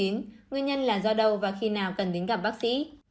nguyên nhân là do đâu và khi nào cần đến gặp bác sĩ